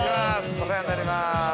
お世話になります。